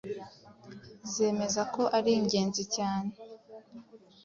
zemeza ko ari ingenzi cyane